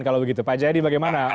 pak jaedi bagaimana